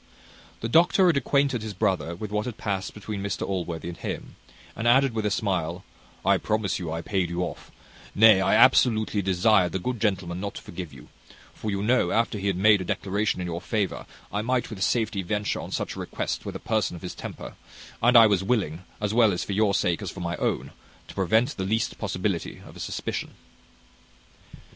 The doctor had acquainted his brother with what had past between Mr Allworthy and him; and added with a smile, "I promise you I paid you off; nay, I absolutely desired the good gentleman not to forgive you: for you know after he had made a declaration in your favour, I might with safety venture on such a request with a person of his temper; and I was willing, as well for your sake as for my own, to prevent the least possibility of a suspicion."